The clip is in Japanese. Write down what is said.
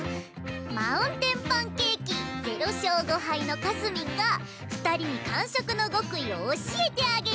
マウンテンパンケーキ０勝５敗のかすみんが２人に完食の極意を教えてあげる！